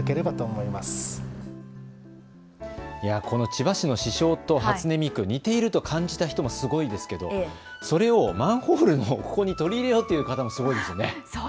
この千葉市の市章と初音ミク、似ていると感じた人もすごいですけれど、それをマンホールのここに取り入れようという方もすごいですよね。